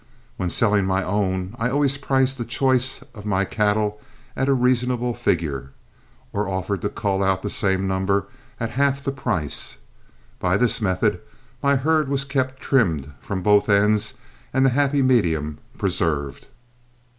When selling my own, I always priced a choice of my cattle at a reasonable figure, or offered to cull out the same number at half the price. By this method my herd was kept trimmed from both ends and the happy medium preserved.